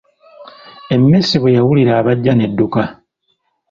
Emmese bwe yawulira abajja n’edduka.